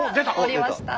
おりました！